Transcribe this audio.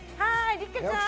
六花ちゃん！